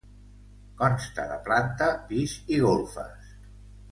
Consta de planta, pis i golfes.